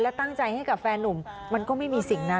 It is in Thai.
และตั้งใจให้กับแฟนนุ่มมันก็ไม่มีสิ่งนั้น